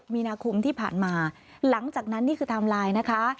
มีนาคมที่ผ่านมาหลังจากนั้นนี่คือไทม์ไลน์นะคะ